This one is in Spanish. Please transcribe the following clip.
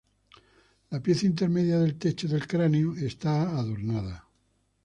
La pieza intermedia del techo del cráneo está adornada.